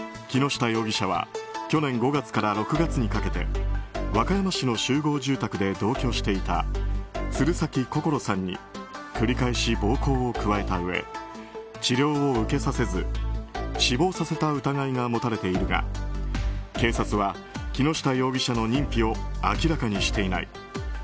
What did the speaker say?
木下容疑者は去年５月から６月にかけて和歌山市の集合住宅で同居していた鶴崎心桜さんに繰り返し暴行を加えたうえ治療を受けさせず死亡させた疑いが持たれているが警察は、木下容疑者の認否を明らかにしていない。